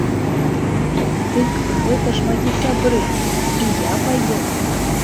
Дык гэта ж мае сябры, і я паеду!